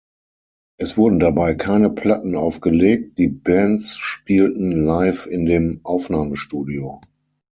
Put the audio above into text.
Es wurden dabei keine Platten aufgelegt, die Bands spielten live in dem Aufnahmestudio.